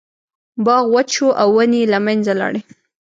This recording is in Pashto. باغ وچ شو او ونې یې له منځه لاړې.